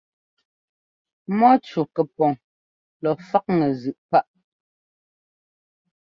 Mɔ́cú kɛpɔŋ lɔ faꞌŋɛ zʉꞌ páꞌ.